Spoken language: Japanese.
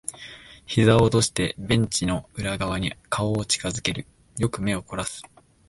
膝を落としてベンチの裏側に顔を近づける。よく目を凝らす。